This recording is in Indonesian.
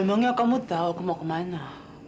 emangnya kamu tau aku mau kemana